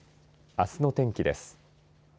あすの天気です。